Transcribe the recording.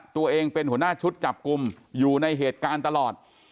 ตัวเองเป็นหัวหน้าชุดจับกลุ่มอยู่ในเหตุการณ์ตลอด